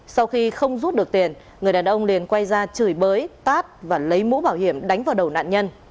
sau khi không rút được tiền người đàn ông liền quay ra chửi bới tát và lấy mũ bảo hiểm đánh vào đầu nạn nhân